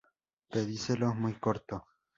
Pedicelo muy corto.